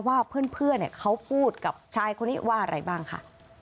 ว่าเพื่อนเขาพูดกับชายคนนี้ว่าอะไรบ้างค่ะ